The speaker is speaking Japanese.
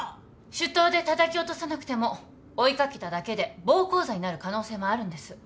手刀でたたき落とさなくても追い掛けただけで暴行罪になる可能性もあるんです。